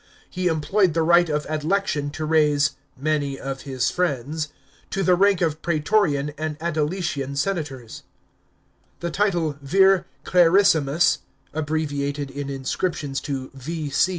He employed the right of adlection to raise "many of his friends" to the rank of praetorian and aedilician senators. The title vir clarissimus (abbreviated in inscriptions to V.